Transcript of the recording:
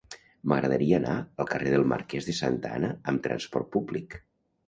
M'agradaria anar al carrer del Marquès de Santa Ana amb trasport públic.